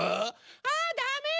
あダメよ